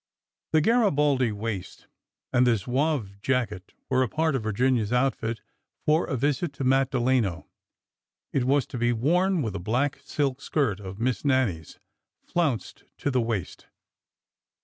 The Garibaldi waist and the zouave jacket were a part of Virginia's outfit for a visit to Matt Delano. It was to be worn with a black silk skirt of Miss Nannie's, flounced to the waist.